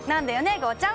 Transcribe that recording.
ゴーちゃん。。